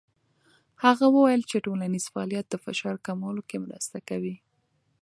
هغه وویل چې ټولنیز فعالیت د فشار کمولو کې مرسته کوي.